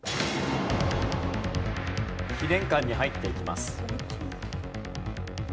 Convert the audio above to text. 記念館に入っていきます。